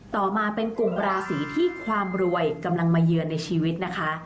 ต่อมาเป็นกลุ่มราศีที่ความรวยกำลังมาเยือนในชีวิตนะคะ